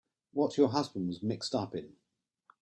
What your husband was mixed up in.